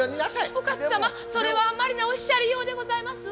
お勝様それはあんまりなおっしゃりようでございますわ。